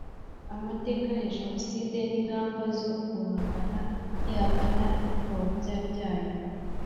amateka ya Jenoside n’ ingamba zo guhangana n’ihakana n’ipfobya ryayo